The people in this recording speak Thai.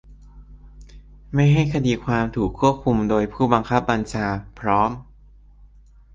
ไม่ให้คดีความถูกควบคุมโดยผู้บังคับบัญชา พร้อม